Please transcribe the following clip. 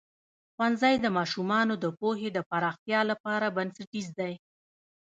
ښوونځی د ماشومانو د پوهې د پراختیا لپاره بنسټیز دی.